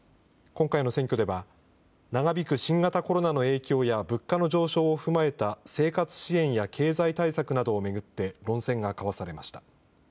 今回の選挙では、長引く新型コロナの影響や物価の上昇を踏まえた生活支援や経済対策などを巡って論戦が交わされました。